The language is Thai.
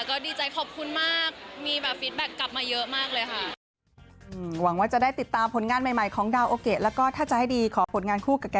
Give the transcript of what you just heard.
ก็ดีใจขอบคุณมากมีแบบฟิตแบ็คกลับมาเยอะมากเลยค่ะ